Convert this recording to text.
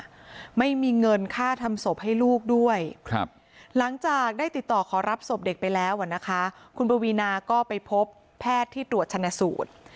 ติดต่อขอรับศพเด็กไปแล้วนะคะคุณปวีนาก็ไปพบแพทย์ที่ตรวจชันสูตร